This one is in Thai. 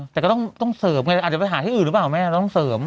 แต่ก็ต้องเสริมไงอาจจะไปหาที่อื่นหรือเปล่า